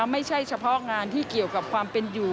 ไม่ใช่เฉพาะงานที่เกี่ยวกับความเป็นอยู่